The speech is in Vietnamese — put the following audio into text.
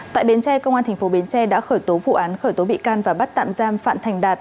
tại bến tre công an tp bến tre đã khởi tố vụ án khởi tố bị can và bắt tạm giam phạm thành đạt